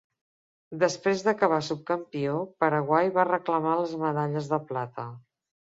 Després d'acabar subcampió, Paraguay va reclamar les medalles de plata.